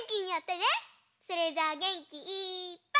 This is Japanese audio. それじゃあげんきいっぱい。